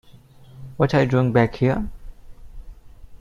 What are you doing back here?